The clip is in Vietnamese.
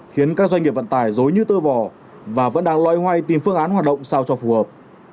khiến các doanh nghiệp vận tài dối như tơ vò và vẫn đang loay hoay tìm phương án hoạt động sao cho phù hợp